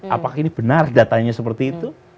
apakah ini benar datanya seperti itu